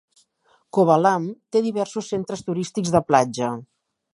Kovalam té diversos centres turístics de platja.